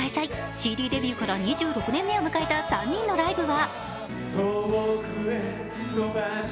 ＣＤデビューから２６年目を迎えた３人のライブは。